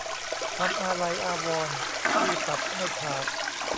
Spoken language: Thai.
ความอาลัยอาวรณ์ที่ตัดไม่ขาด